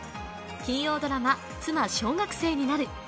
金曜ドラマ「妻、小学生になる。」